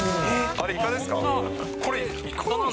あれ、イカですか？